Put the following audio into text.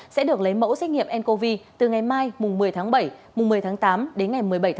sẽ được lấy mẫu xét nghiệm ncov từ ngày mai một mươi bảy một mươi tám đến một mươi bảy tám